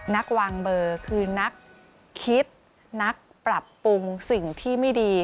นักวางเบอร์คือนักคิดนักปรับปรุงสิ่งที่ไม่ดี